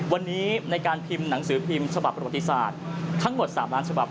วันนี้ในการพิมพ์หนังสือพิมพ์ฉบับประวัติศาสตร์ทั้งหมด๓ล้านฉบับ